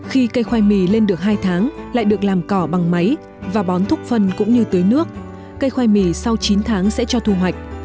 khi cây khoai mì lên được hai tháng lại được làm cỏ bằng máy và bón thuốc phân cũng như tưới nước cây khoai mì sau chín tháng sẽ cho thu hoạch